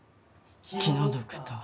気のドクター。